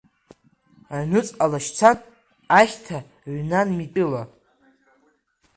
Аҩнуҵҟа лашьцан, ахьҭа ҩнан митәыла.